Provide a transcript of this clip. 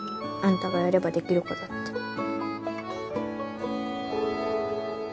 あんたがやればできる子だって